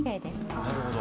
あなるほど。